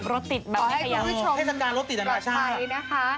อ๋อให้คุณผู้ชมก่อนไปนะคะถ้าเทศกาลรถติดอันตราชา